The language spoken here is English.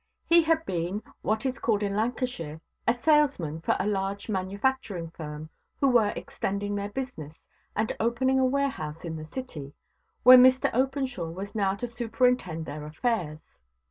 He had been, what is called in Lancashire, a salesman for a large manufacturing firm, who were extending their business, and opening a warehouse in the city; where Mr Openshaw was now to superintend their affairs.